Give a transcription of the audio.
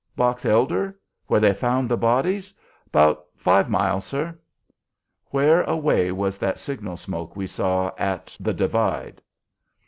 "Box Elder? where they found the bodies? 'bout five mile, sir." "Where away was that signal smoke we saw at the divide?"